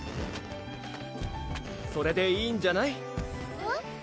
それでいいんじゃない？えっ？